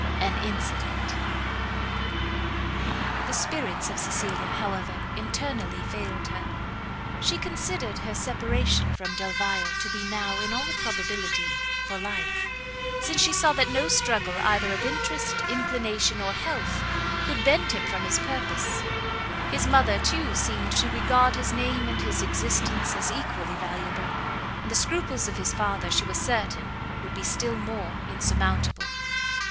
AN INCIDENT. The spirits of Cecilia, however, internally failed her; she considered her separation from Delvile to be now, in all probability, for life, since she saw that no struggle either of interest, inclination, or health, could bend him from his purpose; his mother, too, seemed to regard his name and his existence as equally valuable, and the scruples of his father she was certain would be still more insurmountable.